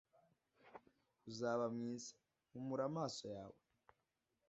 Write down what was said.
uzaba mwiza, humura amaso yawe.